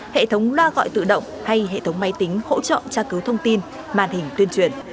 hệ thống loa gọi tự động hay hệ thống máy tính hỗ trợ tra cứu thông tin màn hình tuyên truyền